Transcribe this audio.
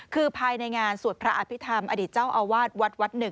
คือภายในงานสวดพระอภิษฐรรมอดีตเจ้าอาวาสวัดวัดหนึ่ง